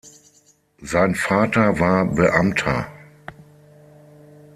Sein Vater war Beamter.